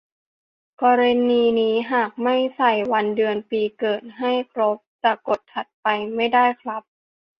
กรณีนี้หากไม่ใส่วันเดือนปีเกิดให้ครบ จะกด "ถัดไป" ไม่ได้ครับ